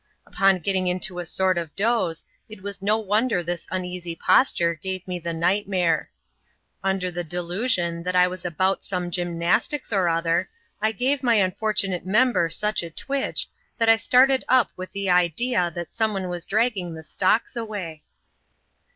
Upon getting into a soft of doze, it was no wonder this uneasy posture gave me the nightmare. Under the delusion that I was about some gym nastics or other, I gave my unfortunate member such a twitch, that I started up with the idea that some one was dragging the stocks away.